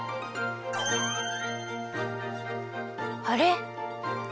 あれ？